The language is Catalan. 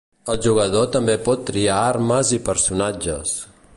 El jugador també pot triar armes i personatges.